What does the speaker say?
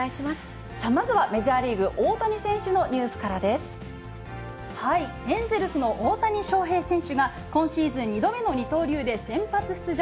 まずはメジャーリーグ、エンゼルスの大谷翔平選手が、今シーズン２度目の二刀流で先発出場。